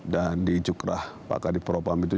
dan di cukrah pak kadipropam itu